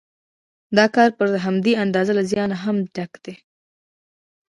دا کار پر همدې اندازه له زیانه هم ډک دی